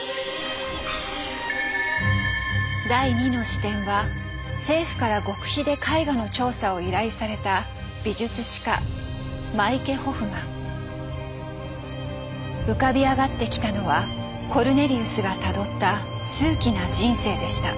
第２の視点は政府から極秘で絵画の調査を依頼された浮かび上がってきたのはコルネリウスがたどった数奇な人生でした。